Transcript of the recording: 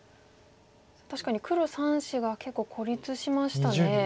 確かに黒３子が結構孤立しましたね。